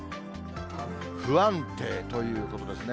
不安定ということですね。